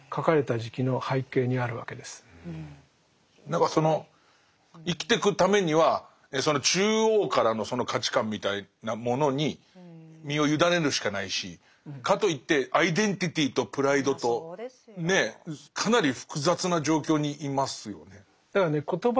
何かその生きてくためにはその中央からの価値観みたいなものに身を委ねるしかないしかといってアイデンティティーとプライドとねえかなり複雑な状況にいますよね。